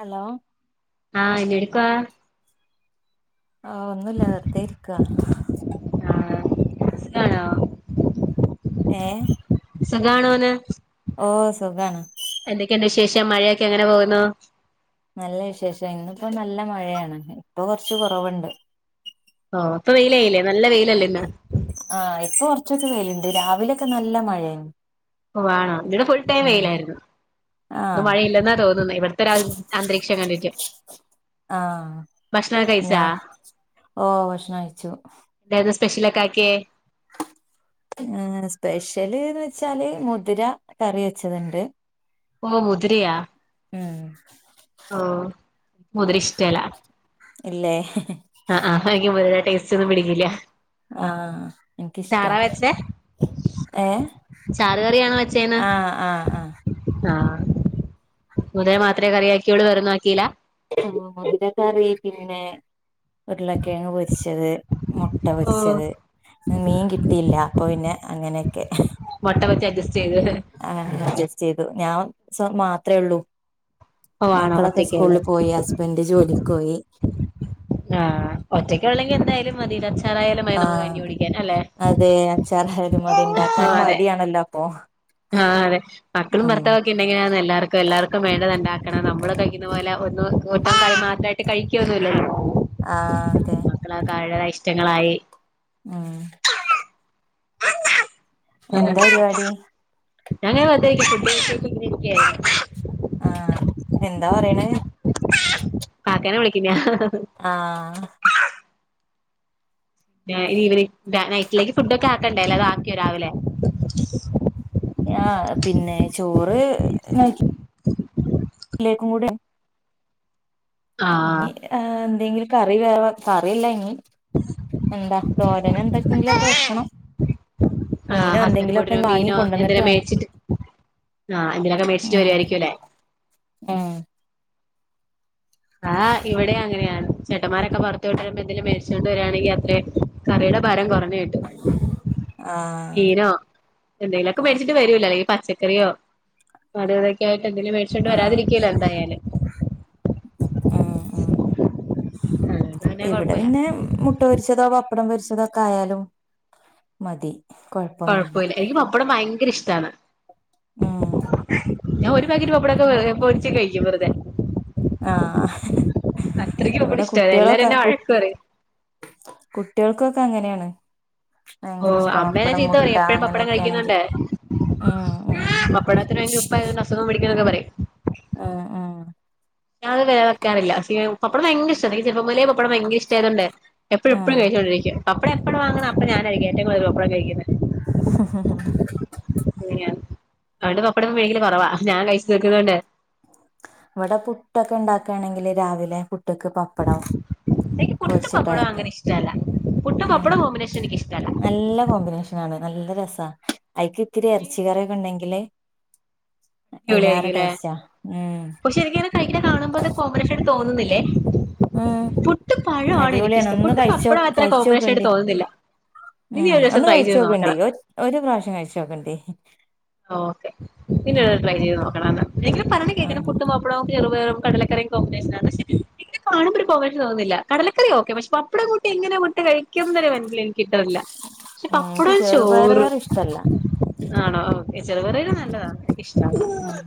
Hello എന്തൊടുക്കുവാ ആഹ് ഒന്നുമില്ല വെറുതെ ഇരിക്കാ ആഹ് ഫുഡായോ ഏഹ് സുഖാണോന്ന് ഓഹ് സുഖാണ് എന്തൊക്കെയുണ്ട് വിശേഷം മഴയൊക്കെ എങ്ങനെ പോകുന്നു നല്ല വിശേഷം ഇന്നിപ്പോ നല്ല മഴയാണ് ഇപ്പൊ കൊറച്ച് കുറവുണ്ട് ഹാ ഇപ്പ വെയിലായില്ലേ നല്ല വെയിലല്ലേ ഇന്ന് ആഹ് ഇപ്പൊ കുറച്ചൊക്കെ വെയിലുണ്ട് രാവിലെയൊക്കെ നല്ല മഴയാണ് ഓഹ് ആ ഇവിടെ ഫുൾ ടൈം ഉം വെയിലായിരുന്നു ആ ഇന്ന് മഴയില്ലെന്നാ തോന്നുന്നെ ഇവിടത്തെ അന്തരീക്ഷം കണ്ടിട്ട് ആ ഭക്ഷണമൊക്കെ കഴിച്ചാ. ഞാ ഓ ഭക്ഷണം കഴിച്ചു എന്താരുന്നു സ്പെഷ്യലൊക്കെ ആക്കിയേ? സ്പെഷ്യല്ന്ന് വെച്ചാല് മുതിര കറി വെച്ചതുണ്ട്, ഓഹ് മുതിരയാ? മ്മ് ഓ മുതിര ഇഷ്ടല്ല. ഇല്ലേ ആഹ് ആ എനിക്ക് മുതിര ടേസ്റ്റ് ഒന്നും പിടിക്കില്ല. ആഹ് എനിക്കിഷ്ട്ടാ ചാറാ ഏഹ്? ചാറ്കറിയണോ വെച്ചേന്ന്? ആ ആഹ് ആ മുതിര മാത്രമേ കറിയക്കിയോള്ളൂ വെറൊന്നും ആക്കില്ല ആ മുതിരക്കറി പിന്നെ വീട്ടില് കിഴങ്ങ് പൊരിച്ചത് മുട്ട ഓ പൊരിച്ചത് മീൻ കിട്ടിയില്ല അപ്പൊ പിന്നെ അങ്ങനെ ഓക്കെ മൊട്ട വെച്ച് അഡ്ജസ് ആ അഡ്ജസ് ചെയ്തു ഞാൻ സ്വ മാത്രഉള്ളൂ ഓ ആണോ മക്കളൊക്കെ ഒറ്റക്കുള്ളൂ സ്കൂളില് പോയി ഹസ്ബൻഡ് ജോലിക്ക് പോയി ആഹ് ഒറ്റക്ക് ഉള്ളെങ്കി എന്തായാലും മതിലൊ ഉച്ച ആഹ് അതെ അച്ചാറായലും മതി ആഹ് ഉണ്ടാക്കാൻ അതെ മടിയണല്ലോ അപ്പൊ ആഹ് അതെ മക്കളും ഉം ഭർത്താവൊക്കെ ഇണ്ടെങ്കി എല്ലാർക്കും എല്ലാർക്കും വേണ്ടത് ഉണ്ടാക്കണം നമ്മള കഴിക്കുന്ന പോലെ ഒന്നും ഒറ്റ കറി മാത്രയിട്ട് കഴിക്കുവൊന്നുവില്ലല്ലോ ആ അതെ ഓരോ ഇഷ്ട്ടങ്ങളായി ആഹ് എന്താ പര്പാടി ഞാൻ ഇങ്ങനെ വെറുതെ ഫുഡ്‌ കഴിച്ചിട്ട് ഇങ്ങനെ ഇരിക്കാരുന്നു ആഹ് എന്താ പറയ്ണെ അങ്ങനെ വിളിക്കില്ല ആഹ് ഈവനിങ് നൈറ്റിലേക്ക് ഫുഡൊക്കെ ആക്കണ്ടേ അല്ലതെ ആക്കിയോ രാവിലെ ആ പിന്നെ ചോറ് നൈറ്റ്‌ ലേക്കും കൂടെ ആഹ് കാഞ്ഞി ആം എന്തെങ്കിലും കറി വേറെ കറി ഇല്ലക്കി എന്താ തോരനെന്തെങ്കിലും ഒക്കെ വെക്കണം ആഹ് മീന് ഹസ്ബൻഡ് എന്തെങ്കിലും പോയിട്ട് ഒക്കെ വരുമ്പോ വാങ്ങി മീനോ കൊണ്ടുവന്നിട്ട് എന്തേലും വേണം മേടിച്ചിട്ട് ആഹ് എന്തേലൊക്കെ മേടിച്ചിട്ട് ഉം വരുവായിരിക്കും അല്ലേ ഉം ആഹ് ഇവിടെ അങ്ങനെയാണ് ചെ ക്കന്മാരൊക്കെ പുറത്തു വിട്ട് വരുമ്പോൾ എന്തേലും മെടി ച്ചോണ്ട് വരുവാണെങ്കിൽ അത്രേം കറിയുടെ ഭാരം കൊറഞ്ഞു എന്നിട്ട് ആഹ് മിനോ എന്തെങ്കിലൊക്കെ മേടിച്ചിട്ടു വരുവല്ലോ ഈ പച്ചക്കറിയോ അതതൊക്കെ ആയി എന്തേലും മേടിച്ചോണ്ട് ആഹ് വരാതിരിക്കില്ലാ എന്തായാലും ആ മം അതുകൊണ്ട് പിന്നെ ഇവിടെ കുഴപ്പമില്ല പിന്നെ മുട്ട പൊരിച്ചതോ പ പപ്പടം പൊരിച്ചതൊക്കെ ആയാലും മതി. കൊഴപ്പൊന്നുല്ല കുഴപ്പവില്ല എനിക്ക് പപ്പടം ഭയങ്കര ഇഷ് ട്ടാണ്. ഉം. ഞാ ഒരു പാക്കറ്റ് പപ്പടൊക്കെ വെ പൊരിച്ച് കഴിക്കും വെറുതെ. ആ അത്രയ്ക്ക് പപ്പടം ഇഷ്ടാ എല്ലാരും എന്നെ വഴക്കു പറയും. കുട്ടികൾക്കൊക്കെ അങ്ങനെയാണ് ഓ ഭയങ്കര ഇഷ്ട അമ്മയെന്നെ പപ്പടം ചീത്ത മുട്ട പറയും എപ്പഴും പപ്പടം അങ്ങനെയൊക്കെ ആണെങ്കിൽ കയിക്കൊന്നോണ്ടേ ഉം ഉം പപ്പടത്തിന് ഭയങ്കര ഉപ്പായതോണ്ട് അസുഖം പിടിക്കുന്നൊക്കെ പറയും ആ ആ ഞാനത് വേറെ വെക്കാറില്ല പപ്പടം ഭയങ്കര ഇഷ്ടാ എനിക്ക് ചെറുപ്പം മുതലേ പപ്പ പപ്പടം ഭയങ്കര ഇഷ്ടായതൊണ്ടേ എപ്പഴും ഉം എപ്പഴും കഴിച്ചോണ്ടിരിക്കും പപ്പടം എപ്പൊഴ് വാങ്ങണോ അപ്പൊ ഞാനായിരിക്കും [unintelligible] പപ്പടം കഴിക്കുന്നേ ഹ ഹ അങ്ങനെയാണ് അത്കൊണ്ട് പപ്പടം മേടിക്കല് കൊറവാ ഞാൻ കഴിച്ചു തീർക്കുന്നോണ്ട് ഇവിടെ പുട്ടൊക്കെ ഇണ്ടാക്കുവാണെങ്കില് രാവിലെ പു എനിക്ക് പുട്ട് പപ്പടം പൊരിച്ചിട്ടയക്ക അങ്ങനെ ഇഷ്ടല്ല പുട്ട് ഉം പപ്പടം കോമ്പിനേഷൻ എനിക്കിഷ്ടല്ല നല്ല കോമ്പിനേഷൻ ആണ് നല്ല രസാ അയിക്ക് ഇത്തിരി എറച്ചിക്കറിയൊക്കെ ഇണ്ടെങ്കില് എന്നാരു ടേസ്റ്റാ ഉം കയിക്കണ കാണുമ്പോ അത് കോമ്പനേഷനായിട്ട് തോന്നുന്നില്ലേ ഉം പുട്ടും പഴവുമാണ് അടിപൊളിയാണ് എനിക്കിഷ്ടം ഒന്ന് പുട്ടും കഴിച്ച് പപ്പടവും അത്ര കഴിച്ചു കോമ്പിനേഷൻ ആയിട്ട് നോക്കണ്ടി തോന്നുന്നില്ല ഇനി ഉം ഒരു ദിവസം ഒന്ന് ട്രൈ കഴിച്ചു ചെയ്ത് നോക്കണം നോക്കണ്ടീ ഒര് ഒരു പ്രാവശ്യം കഴിച്ചു നോക്കണ്ടീ ഓക്കെ ഇനിയൊന്ന് ട്രൈ ചെയ്ത് നോക്കണം എന്നാ [unintelligible] പറയണ കേൾക്കണം ആഹ് പുട്ടും പപ്പടോം [unintelligible] കടലക്കറീം കോമ്പിനേഷനാണ് പക്ഷെ എനിക്ക് കാണുമ്പോ ഒരു [unintelligible] യായിട്ട് തോന്നില്ല കടലക്കറി ഓക്കെ പക്ഷെ പപ്പടം കൂട്ടി എങ്ങനെ പുട്ട് കഴിക്കും ന്നൊരു [unintelligible] എനിക്കിട്ടവില്ല പക്ഷെ ഉം എനിക്ക് പപ്പടോം ചെറുപയറ് ചോറും കറി ഇഷ്ടല്ല ആണോ ഈ ചെറുപയറുകറി ഉം നല്ലതാ എനിക്കിഷ്ടാ ഉം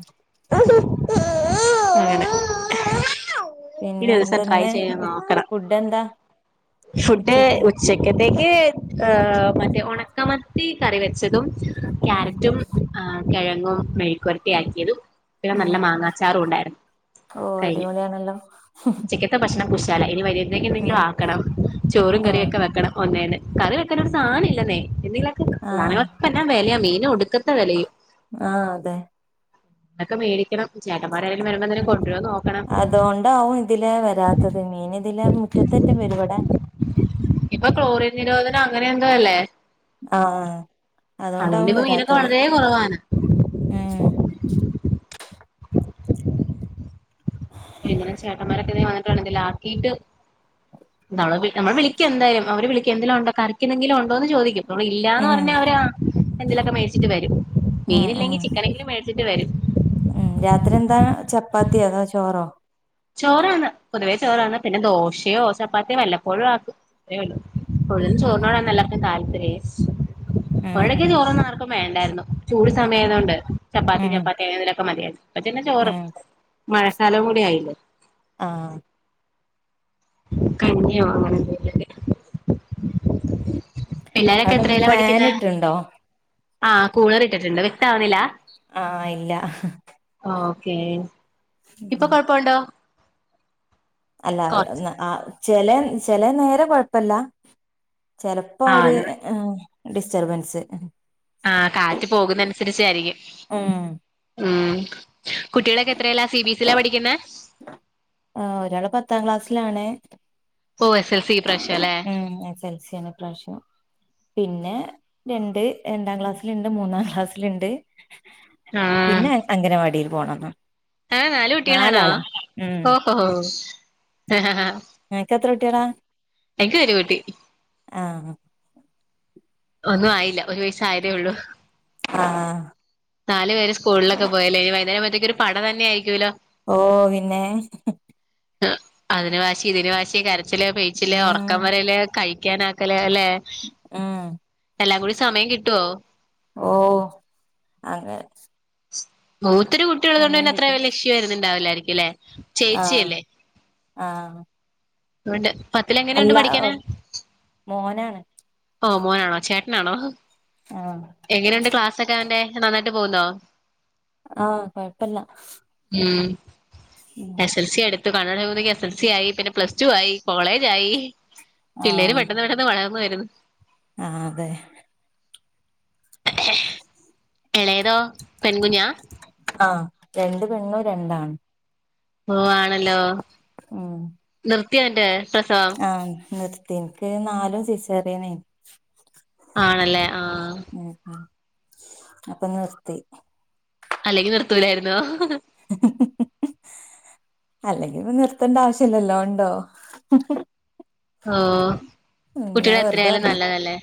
അങ്ങനെ ഇനി പിന്നെ ഒരീസം ട്രൈ എന്തെന്ന് ചെയ്തു നോക്കണം ഫുഡ് എന്താ ഫുഡ് ഉച്ചക്ക് ഉച്ചക്കത്തേക്ക് ഏഹ് ആഹ്‌ മറ്റേ ഒണക്ക മത്തി കറിവെച്ചതും ഉം ആ കെഴങ്ങും മെഴ് ക്കൊരട്ടി ആക്കിയതും പിന്നെ നല്ല ഉം മാങ്ങാച്ചാറും ഉണ്ടായിരുന്നു ഓ കഴിഞ്ഞു അടിപൊളിയാണല്ലോ ഉച്ചക്കത്തെ ഭക്ഷണം കുശാലായി ഇനി വൈ എനിക്കെന്തെങ്കിലും ഉം ആക്കണം ചോറും ആഹ് കറിയൊക്കെ വെക്കണം ഒന്നേന്ന് കറി വെക്കാനൊരു സാന ഇല്ലന്നേ എന്തെങ്കി [inaudible] സാധനങ്ങക്കൊക്കേ എന്നാ വെലയാ മീ ന് ഒടുക്ക ആ അതെ എന്നൊക്കെ മേടിക്കണം ചേട്ടന്മാരാരേലും വരുമ്പോ എന്തെലും കൊണ്ടരുവോന്ന്നോക്കണം അതുകൊണ്ടാവും ഇതിലെ വരാത്തത് മീൻ ഇതിലെ മുറ്റത്തറ്റം വരും ഇവിടെ ഇപ്പൊ ക്ലോറിൻ നിരോധന അങ്ങനെ എന്തോ അല്ലേ ആ ആ അതുകൊണ്ട് ഇപ്പം മീനൊക്കെ വളരെ കുറവാണ് ഉം ഇങ്ങനെ ചേട്ടന്മാരൊക്കെ വന്നിട്ടുണ്ടെങ്കില് ആക്കിയിട്ട് നമ്മൾ വിളിക്കും എന്തായാലും അവര് വിളിക്കും എന്തെല്ലാം ഉണ്ടക്കാൻ കറിക്കു എന്തെങ്കിലും ഉണ്ടോ എന്ന് ചോദിക്കും നമ്മള് ഇല്ലാന്ന് ഉം പറഞ്ഞാ അവരാ എന്തിലൊക്കെ മേടിച്ചിട്ട് വരും ഉം ഉം മീനില്ലെങ്കി ചിക്കനെങ്കിലും മേടിച്ചിട്ട് വരും പ്പാത്തിയാ അതോ ചോറോ യോ ചപ്പാത്തി വല്ലപ്പോഴും ആക്കും അതേഒള്ളു പൊള്ളുന്ന ഉം ചോറിനോടാണ് എല്ലാർക്കും താല് ത്രീസ് ഉം വഴക്ക് ഉം ചോറ് ഉണ്ണാൻ ആർക്കും വേണ്ടായിരുന്നു ചൂട് സമയആയതൊണ്ട് ചപ്പാത്തി ഉം ചപ്പാത്തി അങ്ങനെ എന്തെങ്കിലൊക്കെ മതിയാ [unintelligible] ചോറ് ഉം മഴക്കാലം കൂടി ആയില്ലേ. ആഹ് കഞ്ഞിയോ അങ്ങനെ എന്തേലു ഒക്കെ അവിടൊന്ന് ഫാൻ ഇട്ടുണ്ടോ? ആ കൂളറ് ഇട്ടിട്ടുണ്ട് വ്യക്തം ആവുന്നില്ല ആഹ് ഇല്ല ഓക്കേ ഇപ്പൊ കൊഴപ്പുണ്ടോ അല്ല കൊറച്ച് ആഹ് ചെല ചെല നേരം കൊഴപ്പല്ല ചെിലപ്പോ ആ അവര് ഡിസ്റ്റർബൻസ് ആഹ കാറ്റ് പോകുന്ന അനുസരിച്ചായിരിക്കും ഉം ഉം കുട്ടികളൊക്കെ എത്രയല്ല സി ബിഎസ്ില പഠിക്കുന്ന ആ ഒരാള് പത്താം ക്ലാസ്സിലാണേ ഓ എസ് എൽ സി ഇപ്രാവശ്യം അല്ലേ ഉം.. എസ് എൽ സി ആണ് ഇപ്രാവശ്യം. പിന്നെ... രണ്ട്.. രണ്ടാം ക്ലാസ്സിലുണ്ട്, മൂന്നാം ക്ലാസ്സിലുണ്ട്... പിന്നെ അംഗനവാടിയിൽ പോണം. [unintelligible] ങാ.. നാല് കുട്ടികളാണാ... ഓഹോ... ങ്ഹാ... ഹ.. ഹാ... നിങ്ങക്കെത്ര കുട്ടിളാ...? എനിക്ക് ഒരു കുട്ടി. ങാ.. ങാ. ഒന്നും ആയില്ല. ഒരു വയിസ്സായിതെ ഉള്ളൂ... ങാ.... നാല് പേരും സ്കൂളിലൊക്കെ പോയല്ലേ.. ഇനി വൈകേരത്തേക്കൊരു പട തന്ന ആയിരിക്കൂല്ലോ. ഓ... പിന്നേ.... ങ്‌.. ഹ്.. ഹ്. ക്.. അതിന് വാശി ഇതിന് വാശി, കര ച്ചില് പിയിച്ചില് ഉം ഉറക്കം വരല് കയി ക്കാനാക്കല [unintelligible] എല്ലെ... ഉം എല്ലാം കൂടി സമയം കിട്ടുവോ..? ഓ.. അങ്ങനെ.. [unintelligible] ഒത്തിരി സമയം കുട്ടികലള്ണ്ട്ന്ന അത്ര കിട്ടും വല്യഷ്യു വരുന്നുണ്ടാവില്ലായിരി ഇല്ലേ? ചേച്ചി അല്ലേ..? ങാ... ഉണ്ട്. പത്തിലെങ്ങനെയുണ്ട് പഠിക്കാന്? മോനാണ് ങാ.. മോനാണോ.. ചേട്ടനാണോ.. ഹ്ഹ്. ആഹ് എങ്ങനെയുണ്ട് ക്ലാസ്സൊക്കെ അവന്റെ...? നന്നാ [unintelligible] പോവുന്നോ ആഹ് കൊയപ്പല്ല ഉം എസ്‌ എൽ സി അടുത്ത് കണ്ണ് [unintelligible] എസ് എൽ സി ആയി പിന്നെ പ്ലസ് ടു ആയി കോളേജ് ആയി പിള്ളേര് പെട്ടെന്ന് പെട്ടെന്ന് വളർന്ന് വരു ആ അതെ എളേതോ? പെൺകുഞ്ഞാ ആഹ് രണ്ട് പെണ്ണും രണ്ടാണും. ഹലോ ഉം നി നിർത്തിയോ അന്റെ പ്രസവം ആഹ് നിർ എനിക്ക് നാലും സിസെറിയാന ആണല്ലേ ആ അപ്പൊ നിർത്തി അല്ലെങ്കി നിർത്തൂലായിരുന്നോ അല്ലെങ്കി ഇപ്പ നിർത്തേണ്ട ആവശ്യ ഇല്ലല്ലോ ഉണ്ടോ ഓ ഉം കുട്ടികൾ ഞാൻ എത്ര വെറുതെ ആയാലും പറഞ്ഞു നല്ലതല്ലേ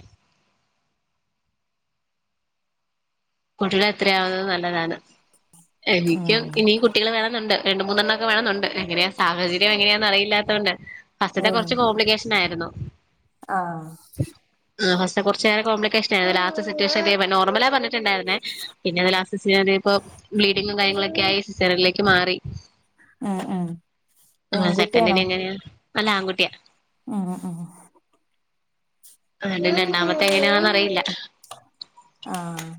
കുട്ടികള് എത്രയാവുന്നത് നല്ലതാണ് ഉം എനിക്കും ഇനി കുട്ടികള് വേണെന്നുണ്ട് രണ്ട് മൂന്നെണ്ണംക്കെ വേണംന്നുണ്ട് എങ്ങെയാ സാഹചര്യംഎങ്ങനായാന് അറിയില്ല ത്തോണ്ട് ഫസ്‌റ്റത്തെ ഉം കുറച്ച് കോംപ്ലിക്കേഷൻ ആയിരുന്നു ആഹ് ആ ഫസ്റ്റ് കുറച്ച് ഏറെ കോംപ്ലിക്കെ എ ലാസ്റ്റ് സിറ്റുവേഷൻഎത്തിയപ്പോ നോർമൽ ആ പറഞ്ഞത് പറഞ്ഞിട്ടുണ്ടായിരുന്നേ പിന്നെ അ ലാസ്റ്റ് സീൻ ആയപ്പോ ബ്ലീഡിങ്ങും കാര്യങ്ങളൊ ക്കായി സിസേറിയനിലേക്ക് മാറി. ഉം ഉം പെൺകുട്ടിയാണോ? സെക്കൻഡിന് എങ്ങനെയാ അല്ല ആൺകുട്ടിയാ. ഉം ഉം ആ രണ്ടാമത്തെ എങ്ങനെയാണന്ന് അറിയില്ല. ആഹ്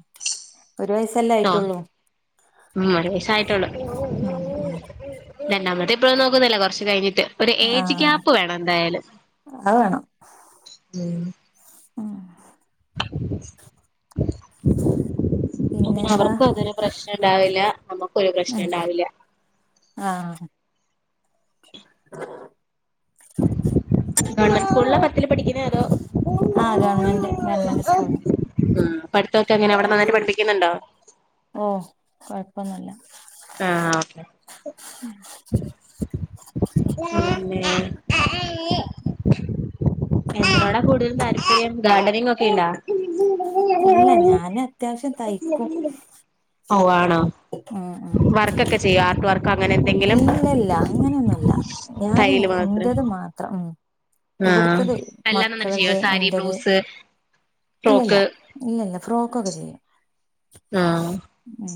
ഒരു വയസ്സല്ലേ ട്ടോ ആയിട്ടുള്ളൂ. ഉം ഒരു വയസ്സേ ആയിട്ടുള്ളു. മ് മ് രണ്ടാമത്തെ ഇപ്പോ നോക്കുന്നില്ല കുറച്ച് കഴിഞ്ഞ് ട്ട് ഒരു ഏജ് ആഹ് ഗയാപ്പ് വേണം എന്തായാലും അത് വേണം ഉം അ പിന്നെന്താ അവർക്കും അതൊരു പ്രശ്നം ഉണ്ടാവില്ല നമ്മുക്കും ഒരു പ്രശ്നം ഇണ്ടാവില്ല ആഹ് [inaudible] [unintelligible] അതോ ആ ഗവൺമെന്റ് ഗവൺമെന്റ് സ്കൂൾ പഠിത്തൊക്കെങ്ങനെ അവിടെന്നട്ട് പഠപ്പിക്കുന്നുണ്ടോ ഓ കൊഴപ്പൊന്നുല്ല ആ [unintelligible] പിന്നെ എന്തിനോടാ കൂടുതൽ താല്പര്യം ഗാർഡനിങ് ഒക്കെ ഇണ്ടാ ഇല്ല ഞാന് അത്യാവശ്യം തയ്ക്കും ഓ ആ ണോ ഉം ഉം വർക്കൊക്കെ ചെയ്യ ആർട്ട് വർ ഇല്ലല്ല അങ്ങനെയൊന്നുല്ല ഞാൻ തയ്യല് മാത്രം ഇന്റത് മാത്രം ആഹ് ഇവിടുത്തത് എല്ലാം നന്നായിട്ട് ചെയ്യോ മക്കളത് സാരി എന്റത് ബ്ലൗസ് ഇല്ലല്ല ഫ്രോക്ക് ഇല്ലല്ല ഫ്രോക്കൊക്കെ ചെയ്യും ആഹ് മ്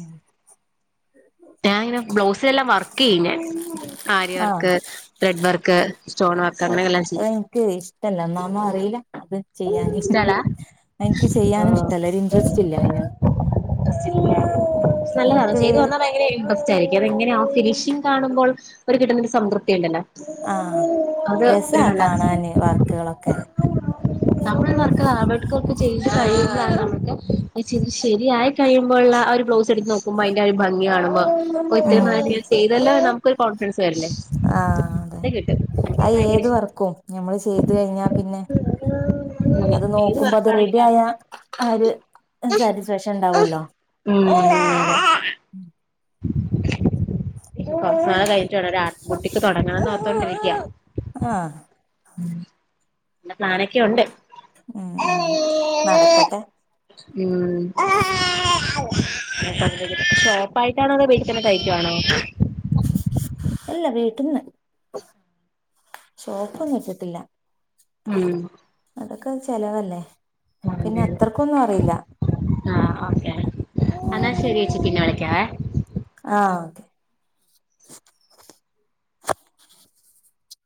[inaudible] ഞാൻ ഇങ്ങനെ ബ്ലൗസ് എല്ലാം വർക്ക് യ്യും ഞാൻ ആഹ് ആര്യവർക്ക ത്രെഡ് വർക്ക് സ്റ്റോൺ വർക്ക് അങ്ങനെല്ലാം ചെയ്യും [unintelligible] ഒന്നാമ അറിയില്ല [unintelligible] അത് ചെയ്യാന് എനിക്ക് ചെയ്യാനും ഇഷ്ടല്ല ഒരു ഇൻട്രസ്റ്റ് ഇല്ല അയിനാണ് നല്ലതാണ് എനിക്ക് ചെയ്ത് വന്നാ ഭയ ഇണ്ട്രസ്റ്റ് ആയിരിക്കും അങ്ങന [unintelligible] കാണുമ്പോൾ ഒരു കിട്ടുന്ന സംതൃപ്തി ണ്ടല്ലോ ആ രസ കാണാന് വർക്കുകളൊക്കെ [unintelligible] [unintelligible] [unintelligible] ഉം ശരിയായി കഴിയുമ്പോള്ള ഒരു ബ്ലൗസ് എടുത്ത് നോക്കുമ്പോഅയ്ന്റെ ഒരു ഭംഗിയാണ് വ [unintelligible] ചെയ്തല്ല നമുക്കൊരു കൊ ആ അതെ എനിക്ക് അത് ഭയങ്കര ഏത് ഇഷ്ടാണ് വർക്കും ഞമ്മള് ചെയ്തു കഴിഞ്ഞാ പിന്നെ അങ്ങനെ അത് ഏത് നോക്കുമ്പോ അത് റെഡി വർക്കാണെങ്കിലും യായ അങ്ങനെയാ ആര് ഉം കൊർച്ചുനാളു കഴിഞ്ഞിട്ടു വേണം ഒരു ആട്ടിൻകുട്ടിക്ക് തൊടങ്ങണംന്ന് ഓർത്തോണ്ടിരിക്ക്യാ ആഹ് ഉം [unintelligible] പ്ലാനൊക്കെ ഉണ്ട് ഉം ഉം നടക്കട്ടെ ഉമ് [unintelligible] പ്പായിട്ടാണോ അതോ വീട്ടിൽ തന്നെ തയ്യിക്കുവാണോ? അല്ല വീട്ടിന്ന് ഷോപ്പൊന്നും ഇട്ടിട്ടില്ല ഉം അതൊക്കെ ചെലവല്ലേ പിന്നെ അതെ അതെ അത്രക്കൊന്നും അറീല്ല ആഹ് ഓക്കെ അന്നാ ശെരി യേച്ചി പിന്നെ വിളി ക്യാ വേ ആഹ്